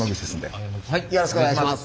よろしくお願いします。